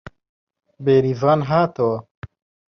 بێریڤان هاتەوە